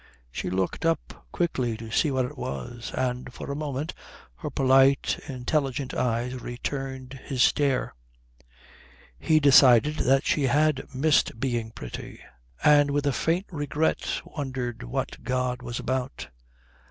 She looked up quickly to see what it was, and for a moment her polite intelligent eyes returned his stare. He decided that she had missed being pretty, and with a faint regret wondered what God was about.